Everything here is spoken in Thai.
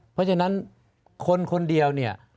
เพราะฉะนั้นคนคนเดียวเนี่ย